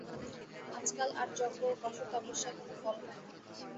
আজকাল আর যজ্ঞ ও কঠোর তপস্যায় কোন ফল হয় না।